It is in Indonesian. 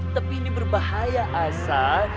tapi ini berbahaya asan